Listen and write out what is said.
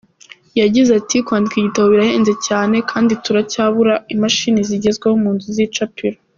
Yagize ati "Kwandika igitabo birahenze cyane kandi turacyabura imashini zigezweho mu nzu z’icapiro.